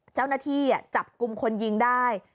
เจ้าหน้าที่จับกลุ่มคนยิงได้